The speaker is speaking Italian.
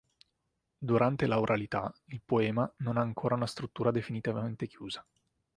Durante l'auralità, Il poema non ha ancora una struttura definitivamente chiusa.